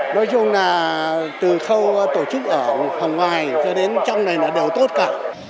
nói chung là từ khâu tổ chức ở phòng ngoài cho đến trong này là đều tốt cả